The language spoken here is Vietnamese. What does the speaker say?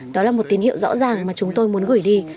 đó là một tín hiệu rõ ràng mà chúng tôi muốn gửi đi